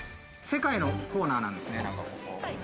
世界のコーナーなんですね。